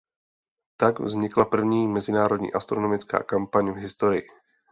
Tak vznikla první mezinárodní astronomická kampaň v historii.